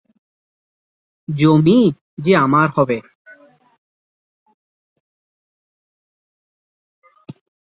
জমি যে আমার হবে।